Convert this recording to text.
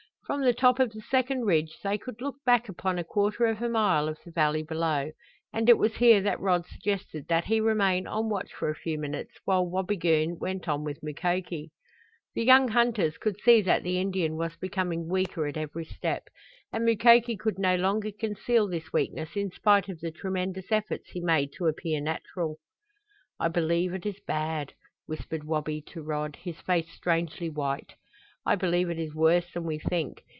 From the top of the second ridge they could look back upon a quarter of a mile of the valley below, and it was here that Rod suggested that he remain on watch for a few minutes while Wabigoon went on with Mukoki. The young hunters could see that the Indian was becoming weaker at every step, and Mukoki could no longer conceal this weakness in spite of the tremendous efforts he made to appear natural. "I believe it is bad," whispered Wabi to Rod, his face strangely white. "I believe it is worse than we think.